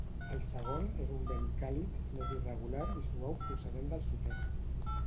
El segon és un vent càlid, més irregular i suau procedent del sud-est.